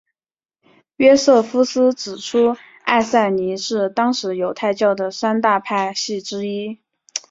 约瑟夫斯指出艾赛尼是当时犹太教的三大派系之一。